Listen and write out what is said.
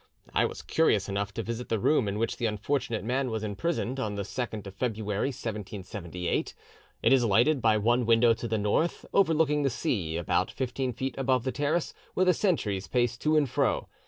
"I was curious enough to visit the room in which the unfortunate man was imprisoned, on the 2nd of February 1778. It is lighted by one window to the north, overlooking the sea, about fifteen feet above the terrace where the sentries paced to and fro.